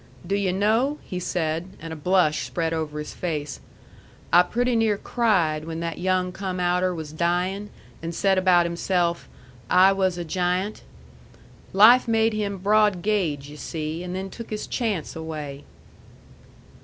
"Do you know," he said, and a blush spread over his face, "I pretty near cried when that young come outer was dyin', and said about himself, 'I was a giant.' Life made him broad gauge, yu' see, and then took his chance away."